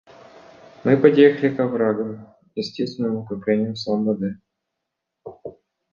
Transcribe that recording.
Мы подъехали к оврагам, естественным укреплениям слободы.